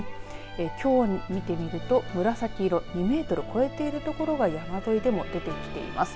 きょう見てみると紫色２メートルを超えている所が山沿いでも出てきています。